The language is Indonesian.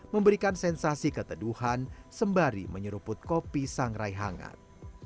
memberikan sensasi keteduhan sembari menyeruput kopi sangrai hangat